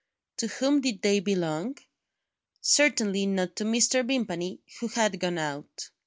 To whom did they belong? Certainly not to Mr. Vimpany, who had gone out.